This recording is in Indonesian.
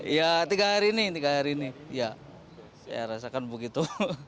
ya tiga hari ini tiga hari ini ya saya rasakan begitu